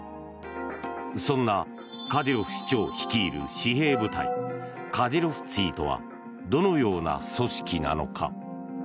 そんなカディロフ首長率いる私兵部隊カディロフツィとはどのような組織なのか。